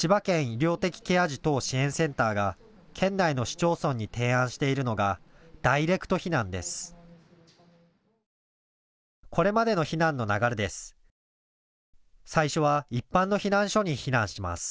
医療的ケア児等支援センターが県内の市町村に提案しているのがダイレクト避難です。